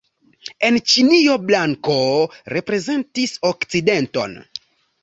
En Ĉinio blanko reprezentis okcidenton.